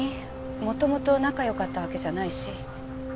元々仲良かったわけじゃないし。